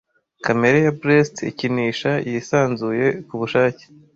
Kamere ya blest ikinisha, yisanzuye kubushake